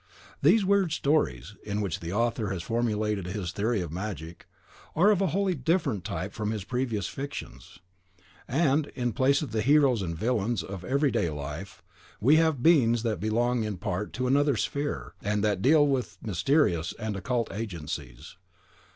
These weird stories, in which the author has formulated his theory of magic, are of a wholly different type from his previous fictions, and, in place of the heroes and villains of every day life, we have beings that belong in part to another sphere, and that deal with mysterious and occult agencies.